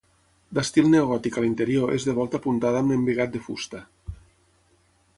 D'estil neogòtic a l'interior és de volta apuntada amb embigat de fusta.